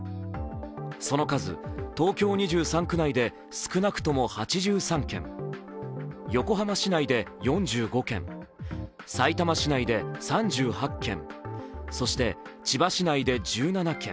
その数、東京２３区内で少なくとも８３件、横浜市内で４５件、さいたま市内で３８件、そして千葉市内で１７件。